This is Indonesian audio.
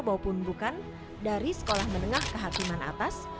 maupun bukan dari sekolah menengah kehakiman atas